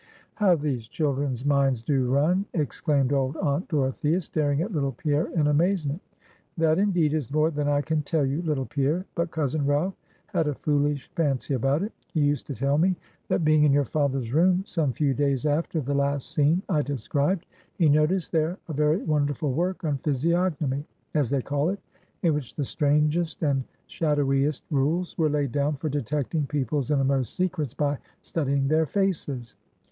"How these children's minds do run!" exclaimed old aunt Dorothea staring at little Pierre in amazement "That indeed is more than I can tell you, little Pierre. But cousin Ralph had a foolish fancy about it. He used to tell me, that being in your father's room some few days after the last scene I described, he noticed there a very wonderful work on Physiognomy, as they call it, in which the strangest and shadowiest rules were laid down for detecting people's innermost secrets by studying their faces.